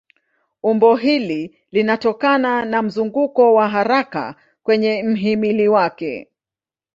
Umbo hili linatokana na mzunguko wa haraka kwenye mhimili wake.